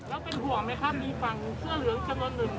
แล้วเป็นห่วงไหมครับมีฝั่งเสื้อเหลืองจำนวนหนึ่ง